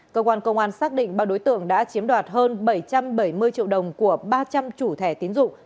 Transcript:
cơ quan công an xác định ba đối tượng đã chiếm đoạt hơn bảy trăm bảy mươi triệu đồng của ba trăm linh chủ thẻ tiến dụng